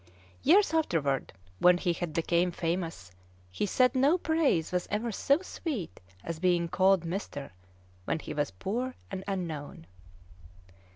Years afterward, when he had become famous, he said no praise was ever so sweet as being called "Mr." when he was poor and unknown.